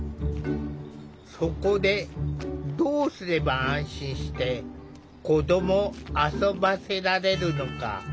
そこでどうすれば安心して子どもを遊ばせられるのか。